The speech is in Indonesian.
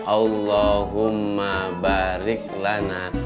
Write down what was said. allahumma barik lana